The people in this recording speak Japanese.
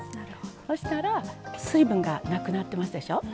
そしたら水分がなくなってますでしょう。